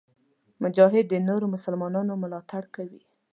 مجاهد د نورو مسلمانانو ملاتړ کوي.